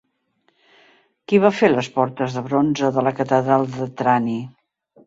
Qui va fer les portes de bronze de la catedral de Trani?